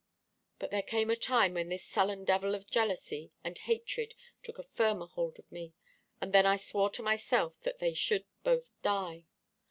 But there came a time when this sullen devil of jealousy and hatred took a firmer hold of me, and then I swore to myself that they should both die.